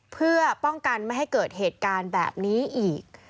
เพื่อป้องกันไม่ให้เกิดเหตุการณ์แบบนี้อีก